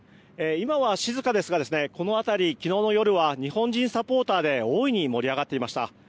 今は静かですがこの辺り昨日の夜は日本人サポーターで大いに盛り上がっていました。